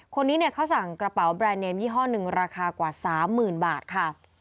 คนนี้เขาสั่งกระเป๋าแบรนด์เนมยี่ห้อหนึ่งราคากว่า๓๐๐๐บาทค่ะ